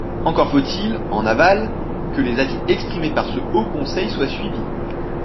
Encore faut-il, en aval, que les avis exprimés par ce Haut conseil soient suivis.